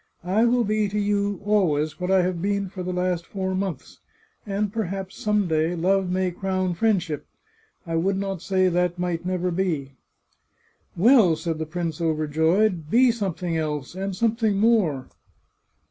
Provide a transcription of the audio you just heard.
I will be to you, always, what I have been for the last four months, and per haps, some day, love may crown friendship. I would not say that might never be." " Well," said the prince, overjoyed, " be something else, and something more